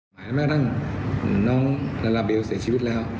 ไหมละทั้งน้องจะเสียชีวิตแล้ว